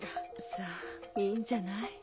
さぁいいんじゃない？